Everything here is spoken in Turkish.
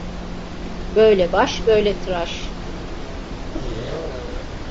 Böyle baş böyle tıraş.